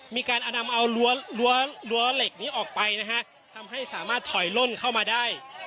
มีการนำเอารั้วเหล็กนี้ออกไปนะฮะทำให้สามารถถอยล่นเข้ามาได้